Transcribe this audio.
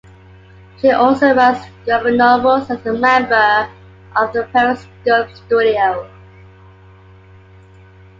She also writes graphic novels and is a member of the Periscope Studio.